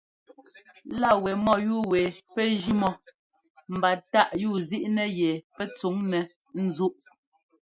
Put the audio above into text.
Lá wɛ mɔ́yúu wɛ pɛ́ jʉ́ mɔ mba táꞌ yúuzíꞌnɛ yɛ pɛ́ tsuŋnɛ́ ńzúꞌ.